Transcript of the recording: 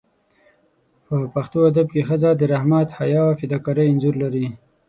په پښتو ادب کې ښځه د رحمت، حیا او فداکارۍ انځور لري.